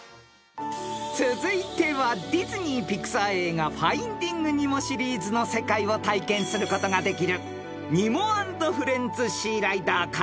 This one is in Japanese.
［続いてはディズニーピクサー映画『ファインディング・ニモ』シリーズの世界を体験することができるニモ＆フレンズ・シーライダーから問題］